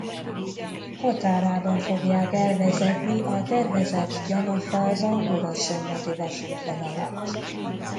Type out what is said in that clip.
Határában fogják elvezetni a tervezett gyanafalva-muraszombati vasútvonalat.